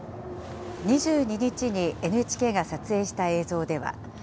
２２日にＮＨＫが撮影した映像では。